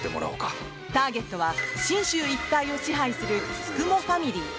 ターゲットは信州一帯を支配する九十九ファミリー。